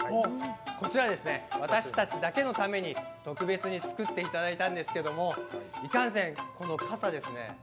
こちら、私たちだけのために特別に作っていただいたんですけどもいかんせんこの傘ですね